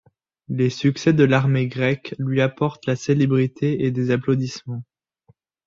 Les succès de l'armée grecque lui apportent la célébrité et des applaudissements.